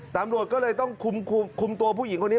ตำรวจก็เลยต้องคุมตัวผู้หญิงคนนี้